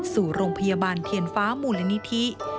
สู่โรงพยาบาลเทียนฟ้ามูลนิธิ